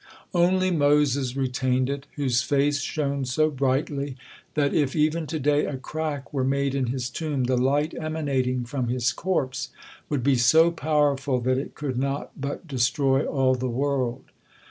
Only Moses retained it, whose face shone so brightly, that if even to day a crack were made in his tomb, the light emanating from his corpse would be so powerful that it could not but destroy all the world.